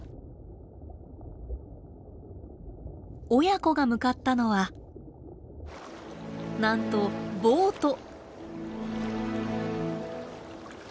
親子が向かったのはなんとボート。